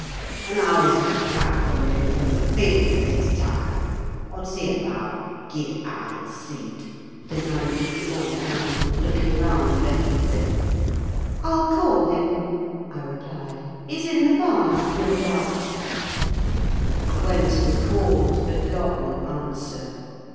"And how isn't that nowt comed in fro' th' field, be this time? What is he about? girt idle seeght!" demanded the old man, looking round for Heathcliff. "I'll call him," I replied. "He's in the barn, I've no doubt." I went and called, but got no answer.